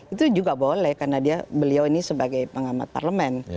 itu juga boleh karena beliau ini sebagai pengamat parlemen